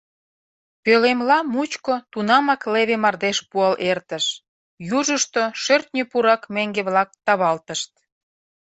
Пӧлемла мучко тунамак леве мардеж пуал эртыш, южышто шӧртньӧ пурак меҥге-влак тавалтышт.